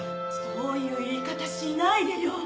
そういう言い方しないでよ。